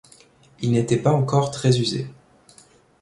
Il n’était pas encore très usé.